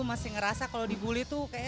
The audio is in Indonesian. masih ngerasa kalau di bully tuh kayaknya